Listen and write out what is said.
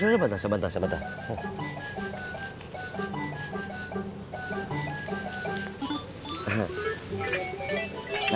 sebentar sebentar sebentar